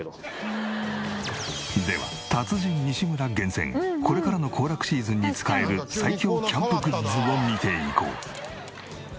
では達人西村厳選これからの行楽シーズンに使える最強キャンプグッズを見ていこう。